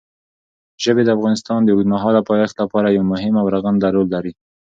ژبې د افغانستان د اوږدمهاله پایښت لپاره یو مهم او رغنده رول لري.